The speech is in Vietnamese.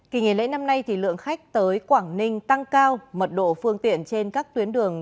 kỳ nghỉ lễ năm nay lượng khách tới quảng ninh tăng cao mật độ phương tiện trên các tuyến đường